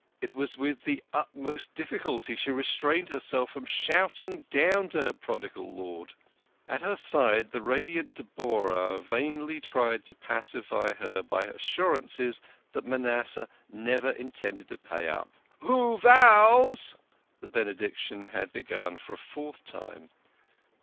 It was with the utmost difficulty she restrained herself from shouting down to her prodigal lord. At her side the radiant Deborah vainly tried to pacify her by assurances that Manasseh never intended to pay up. " Who vows " The Benediction had begun for a fourth time.